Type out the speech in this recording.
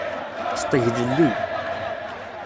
Sṭeglelli.